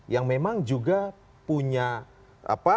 yang memang juga punya apa